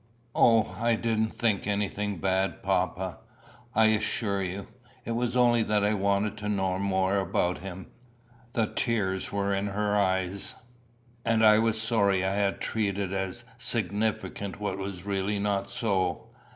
"O, I didn't think anything bad, papa, I assure you. It was only that I wanted to know more about him." The tears were in her eyes, and I was sorry I had treated as significant what was really not so.